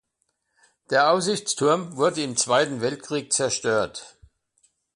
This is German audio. Der Aussichtsturm wurde im Zweiten Weltkrieg zerstört.